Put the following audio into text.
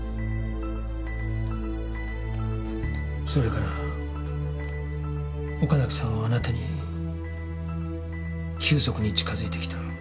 それから岡崎さんはあなたに急速に近づいてきた。